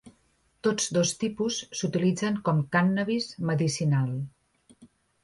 Tots dos tipus s'utilitzen com cànnabis medicinal.